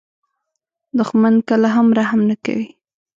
دښمن کله هم رحم نه کوي